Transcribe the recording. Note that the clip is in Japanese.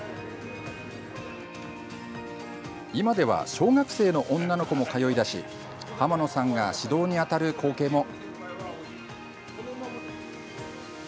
今では小学生の女の子も通い出し濱野さんが指導に当たる光景も。